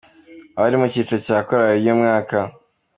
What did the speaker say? Abari mu cyiciro cya Korali y'umwaka.